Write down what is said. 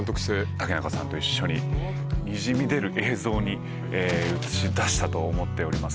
竹中さんと一緒ににじみ出る映像に映し出したと思っております。